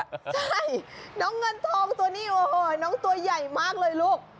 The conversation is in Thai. ใช่น้องเงินทองตัวนี้โอ้โหน้องตัวใหญ่มากเลยลูก